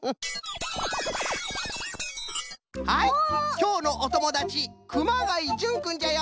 きょうのおともだちくまがいじゅんくんじゃよ！